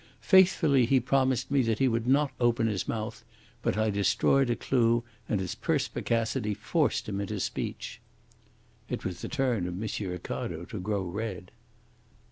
Faithfully he promised me that he would not open his mouth, but I destroyed a clue, and his perspicacity forced him into speech.'" It was the turn of M. Ricardo to grow red.